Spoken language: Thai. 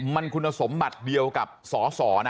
มันคุณสมบัติเดียวกับสสนะ